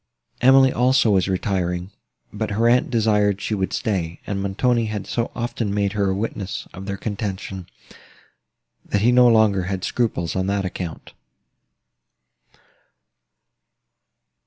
Emily also was retiring, but her aunt desired she would stay; and Montoni had so often made her a witness of their contention, that he no longer had scruples on that account.